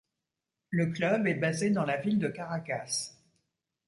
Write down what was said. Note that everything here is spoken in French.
Le club est basé dans la ville de Caracas.